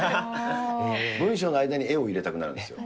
文章の間に絵を入れたくなるんですよ。